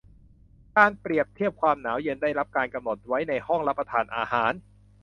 การเปรียบเทียบความหนาวเย็นได้รับการกำหนดไว้ในห้องรับประทานอาหาร